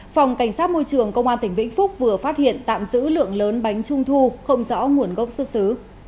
phòng cảnh sát môi trường công an tỉnh vĩnh phúc vừa phát hiện tạm giữ lượng lớn bánh trung thu không rõ nguồn gốc xuất xứ